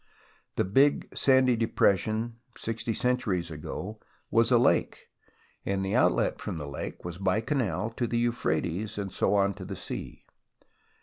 The big sandy depression sixty centuries ago was a lake, and the outlet from the lake was by canal to the Euphrates, and so to the sea.